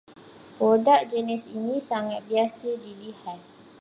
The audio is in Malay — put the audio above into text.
Produk jenis ini sangat biasa dilihat